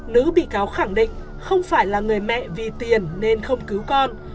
nữ bị cáo khẳng định không phải là người mẹ vì tiền nên không cứu con